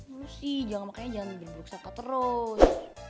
lo sih makanya jangan berduk saka terus